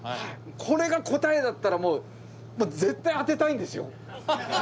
これが答えだったらもう絶対当てたいんですよ。